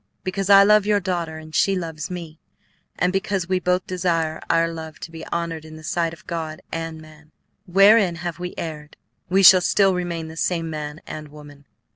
Because I love your daughter and she loves me, and because we both desire our love to be honored in the sight of God and man, wherein have we erred? We shall still remain the same man and woman."